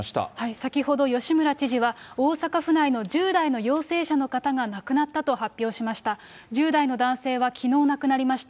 先ほど、吉村知事は大阪府内の１０代の陽性者の方が亡くなったと発表しました。